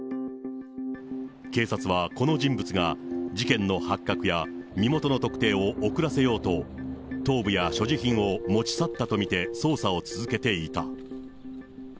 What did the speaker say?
警察はこの人物が事件の発覚や身元の特定を遅らせようと、頭部や所持品を持ち去ったと見て捜査を続けていた。